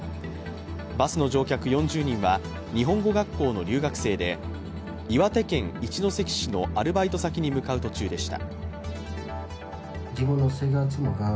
バスの乗客４０人は日本語学校の留学生で岩手県一関市のアルバイト先に向かう途中でした。